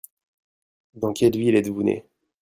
Dans quelle ville êtes-vous né ?